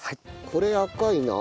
これ赤いな。